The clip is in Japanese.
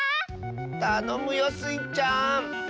たのむよスイちゃん！